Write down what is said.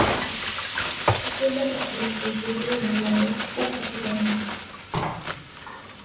Takriban watu elfu ishirini na nane hufa kila mwaka